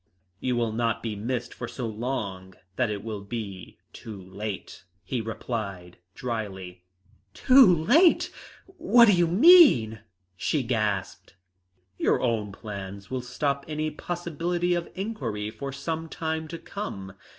"You will not be missed for so long that it will be too late," he replied drily. "Too late! What do you mean?" she gasped. "Your own plans will stop any possibility of inquiry for some time to come."